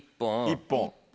１本。